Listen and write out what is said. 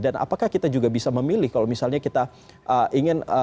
dan apakah kita juga bisa memilih kalau misalnya kita ingin